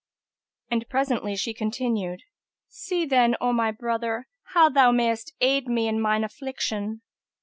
And presently she continued, "See then, O my brother, how thou mayest aid me in mine affliction."